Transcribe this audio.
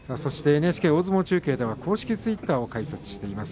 ＮＨＫ大相撲中継では公式ツイッターを開設しています。